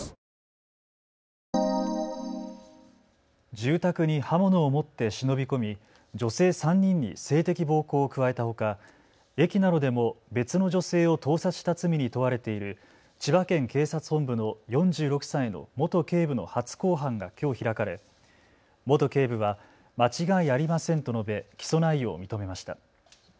住宅に刃物を持って忍び込み女性３人に性的暴行を加えたほか駅などでも別の女性を盗撮した罪に問われている千葉県警察本部の４６歳の元警部の初公判がきょう開かれ元警部は間違いありませんと述べ起訴内容を認めました。